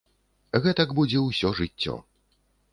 Гэтак будзе ўсё жыццё.